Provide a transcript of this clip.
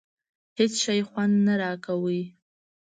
هېڅ شي خوند نه راکاوه.